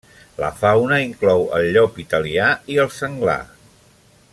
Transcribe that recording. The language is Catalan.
La fauna inclou el llop italià i el senglar.